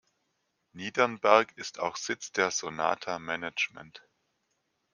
Niedernberg ist auch Sitz der Sonata Management.